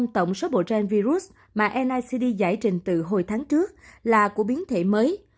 bảy mươi bốn tổng số bộ gen virus mà nicd giải trình từ hồi tháng trước là của biến thể mới